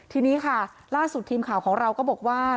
ทีนี้ค่ะล่าสุดทีมข่าวของเราก็บอกว่า